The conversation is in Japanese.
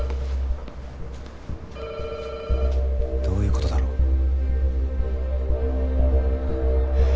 どういう事だろう？